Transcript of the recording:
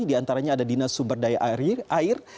di antaranya ada dinas sumber daya air